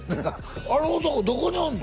あの男どこにおんの？